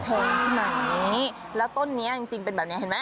แพงขึ้นมาอย่างนี้แล้วต้นนี้จริงเป็นแบบนี้เห็นไหม